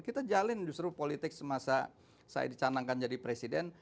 kita jalin justru politik semasa saya dicanangkan jadi presiden